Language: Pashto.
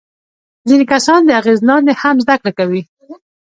ځینې کسان د اغیز لاندې هم زده کړه کوي.